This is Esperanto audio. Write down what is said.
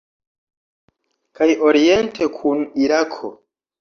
Kaj oriente kun Irako.